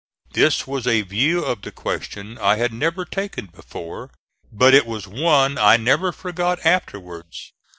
This was a view of the question I had never taken before; but it was one I never forgot afterwards.